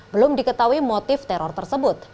belum diketahui motif teror tersebut